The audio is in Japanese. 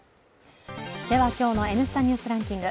今日の「Ｎスタ・ニュースランキング」